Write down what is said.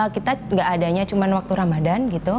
kita tidak adanya cuma waktu ramadan